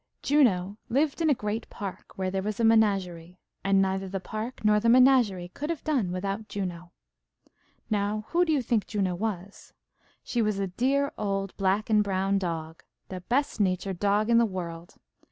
Juno lived in a great park, where there was a menagerie, and neither the park nor the menagerie could have done without Juno. Now, who do you think Juno was? She was a dear old black and brown dog, the best natured dog in the world.